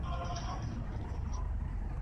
دغه نغدي شېبه ورسته پور ته اوړي